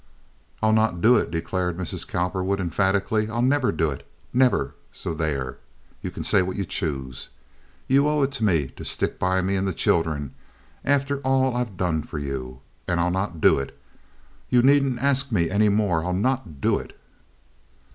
"I'll not do it," declared Mrs. Cowperwood, emphatically. "I'll never do it, never; so there! You can say what you choose. You owe it to me to stick by me and the children after all I've done for you, and I'll not do it. You needn't ask me any more; I'll not do it."